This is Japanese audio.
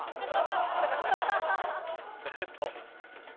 「誰と」。